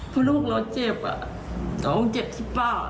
เพราะลูกเราเจ็บน้องเจ็บที่ป้า